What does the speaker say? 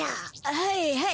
はいはい。